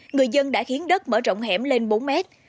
người dân đã khiến đất mở rộng hẻm lên bốn mét